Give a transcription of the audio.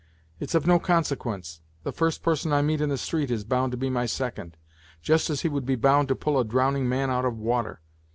"It's of no consequence ! the first person I meet in the street is bound to be my second, just as he would be bound to pull a drowning man out of water.